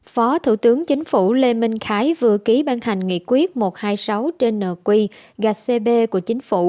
phó thủ tướng chính phủ lê minh khái vừa ký ban hành nghị quyết một trăm hai mươi sáu trên nq gạch cb của chính phủ